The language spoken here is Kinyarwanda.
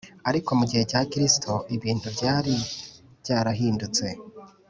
ariko mu gihe cya kristo ibintu byari byarahindutse